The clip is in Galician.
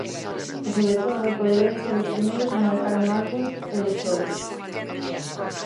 E sobre todo, poderedes ser os primeiros en mercar un álbum e os sobres!